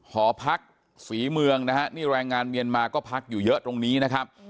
หอพักศรีเมืองนะฮะนี่แรงงานเมียนมาก็พักอยู่เยอะตรงนี้นะครับ